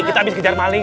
kita abis kejar maling